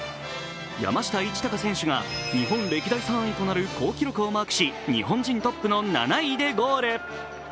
山下一貴選手が日本歴代３位となる好記録をマークし、日本人トップの７位でゴール。